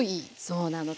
そうなの。